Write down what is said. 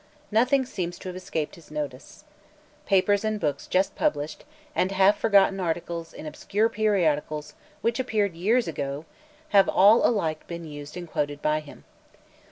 Nothing seems to have escaped his notice. Papers and books just published, and half forgotten articles in obscure periodicals which appeared years ago, have all alike been used and quoted by him.